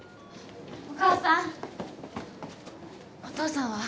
お母さん。